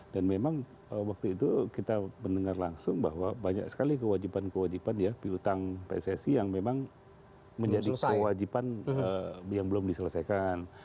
dan memang waktu itu kita mendengar langsung bahwa banyak sekali kewajiban kewajiban ya pihutang pssi yang memang menjadi kewajiban yang belum diselesaikan